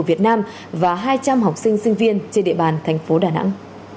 việt nam và hai trăm linh học sinh sinh viên trên địa bàn thành phố đà nẵng